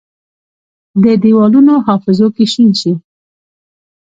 د دیوالونو حافظو کې شین شي،